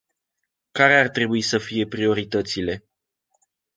Care ar trebui să fie prioritățile?